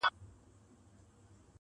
خــو ســــمـدم